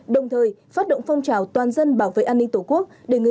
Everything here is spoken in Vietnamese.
đồng thời phát động phong trào toàn dân bảo vệ an ninh tổ quốc